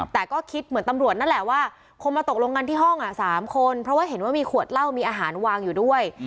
แต่ก็คิดเหมือนตำรวจนั่นแหละว่าคงมาตกลงกันที่ห้อง๓คนเพราะว่าเห็นว่ามีขวดเหล้ามีอาหารวางอยู่ด้วย